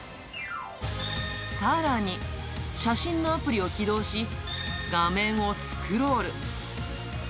さらに、写真のアプリを起動し、画面をスクロール。